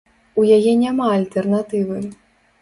У яе няма альтэрнатывы.